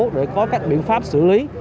để có các biện pháp xử lý